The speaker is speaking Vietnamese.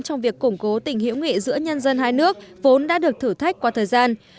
trong việc củng cố tình hiểu nghị giữa nhân dân hai nước vốn đã được thử thách qua thời gian